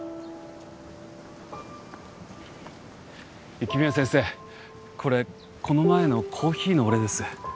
雪宮先生これこの前のコーヒーのお礼です。